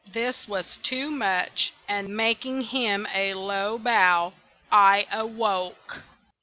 This was too much, and making him a low bow, I awoke!